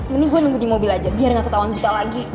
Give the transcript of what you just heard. mending gue nunggu di mobil aja biar gak ketahuan bisa lagi